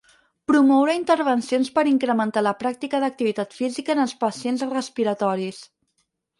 Promoure intervencions per incrementar la pràctica d'activitat física en els pacients respiratoris.